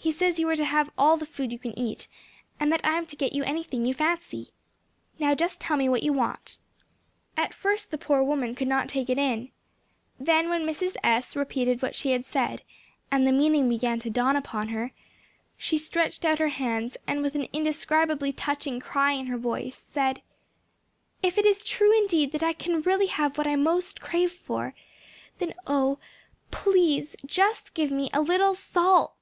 He says you are to have all the food you can eat, and that I am to get you anything you fancy. Now just tell me what you want." At first the poor woman could not take it in. Then when Mrs. S——, repeated what she had said, and the meaning began to dawn upon her, she stretched out her hands and with an indescribably touching cry in her voice said, "If it is true indeed that I can really have what I most crave for, then oh, please just give me a little SALT!"